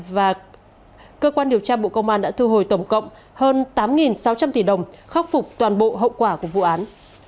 và cơ quan điều tra bộ công an đã thu hồi tổng cộng hơn tám sáu trăm linh tỷ đồng khắc phục toàn bộ hậu quả của vụ án